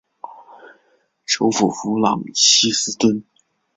首府弗朗西斯敦。